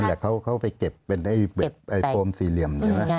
นั่นแหละเขาไปเก็บเป็นไอโฟมสี่เหลี่ยม